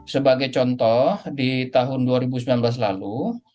sebagai contoh di tahun dua ribu sembilan belas lalu